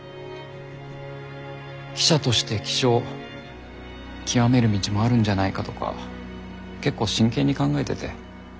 記者として気象極める道もあるんじゃないかとか結構真剣に考えてて自分でも驚きます。